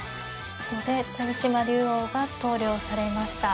後手豊島竜王が投了されました。